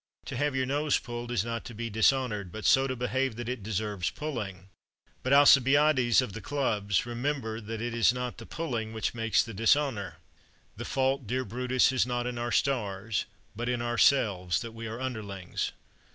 To have your nose pulled is not to be dishonored, but so to behave that it deserves pulling. But, Alcibiades of the clubs, remember that it is not the pulling which makes the dishonor. "The fault, dear Brutus, is not in our stars, But in ourselves, that we are underlings."